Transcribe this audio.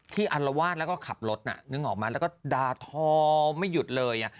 อัลวาดแล้วก็ขับรถน่ะนึกออกมาแล้วก็ดาทอไม่หยุดเลย